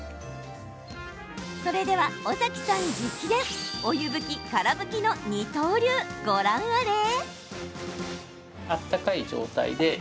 それでは、尾崎さん直伝お湯拭き・から拭きの二刀流ご覧あれ。